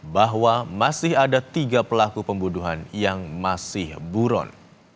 bahwa masih ada tiga pelaku pembunuhan yang masih buron